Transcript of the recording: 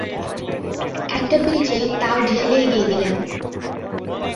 একটা পিরিচে তা-ও ঢেলে এগিয়ে দিলেন।